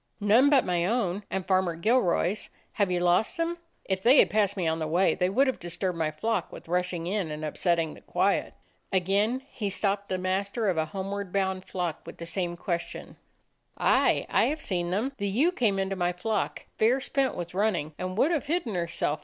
"None but my own and Farmer Gilroy's. Have you lost them? If they had passed me on the way they would have disturbed my 81 DOG HEROES OF MANY LANDS flock with rushing in and upsetting the quiet!" Again he stopped the master of a home ward bound flock with the same question. "Aye, I have seen them. The ewe came into my flock, fair spent with running, and would have hidden herself.